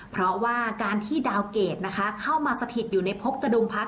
เพราะว่าการที่ดาวเกรดนะคะเข้ามาสถิตอยู่ในพบกระดุงพัก